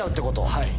はい。